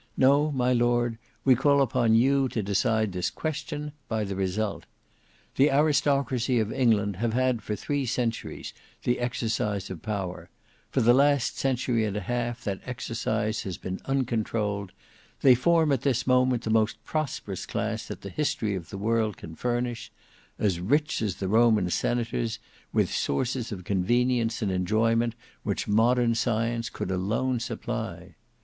No, my lord, we call upon you to decide this question by the result. The Aristocracy of England have had for three centuries the exercise of power; for the last century and a half that exercise has been uncontrolled; they form at this moment the most prosperous class that the history of the world can furnish: as rich as the Roman senators, with sources of convenience and enjoyment which modern science could alone supply.